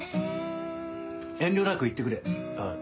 遠慮なく言ってくれ。